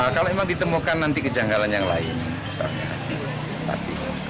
kalau emang ditemukan nanti kejanggalan yang lain